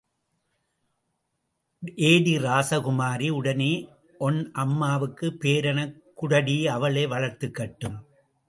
ஏடீ... ராசகுமாரி... உடனே ஒன் அம்மாவுக்குப் பேரனக் குடுடி அவளே வளர்த்துக்கட்டும்.